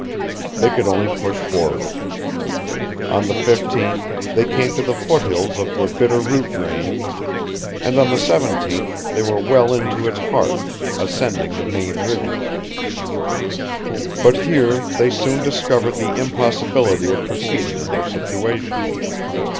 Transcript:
They could only push forward. On the 15th they came to the foothills of the Bitter Root Range; and on the 17th they were well into its heart, ascending the main ridges. But here they soon discovered the impossibility of proceeding in their situation.